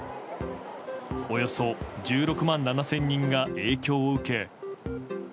およそ１６万７０００人が影響を受け。